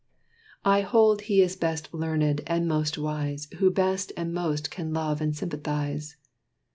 I hold he is best learnèd and most wise, Who best and most can love and sympathize.